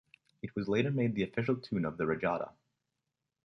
It was later made the official tune of the Regatta.